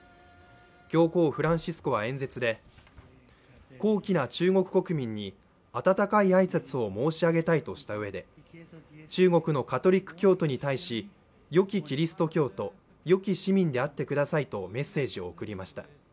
教皇フランシスコは演説で、高貴な中国国民に温かい挨拶を申しあげたいとしたうえで中国のカトリック教徒に対し、良きキリスト教徒、良き市民であってくださいとメッセージを送りました。